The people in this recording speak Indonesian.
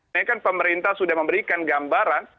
ini kan pemerintah sudah memberikan gambaran